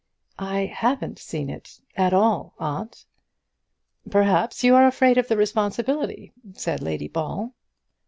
"I haven't seen it at all, aunt." "Perhaps you are afraid of the responsibility," said Lady Ball.